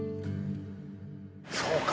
そうか。